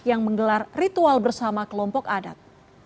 yang menggelar ritual bersama kelompok adat